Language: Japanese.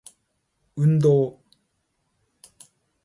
運動